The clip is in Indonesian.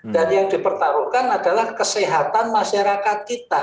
dan yang dipertaruhkan adalah kesehatan masyarakat kita